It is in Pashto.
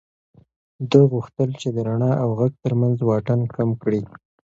ده غوښتل چې د رڼا او غږ تر منځ واټن کم کړي.